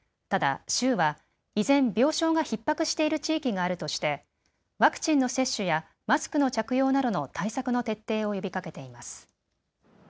ただ州は依然、病床がひっ迫している地域があるとしてワクチンの接種やマスクの着用などの対策の徹底を呼びかけています。